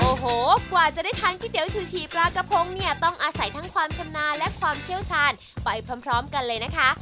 โอ้โหกว่าจะได้ทานก๋วยเตี๋ชูชีปลากระพงเนี่ยต้องอาศัยทั้งความชำนาญและความเชี่ยวชาญไปพร้อมกันเลยนะคะ